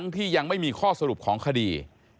ที่ยังไม่มีข้อสรุปของคดี